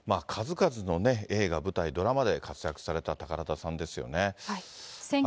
数々の映画、舞台、ドラマで活躍された宝田さんですよね。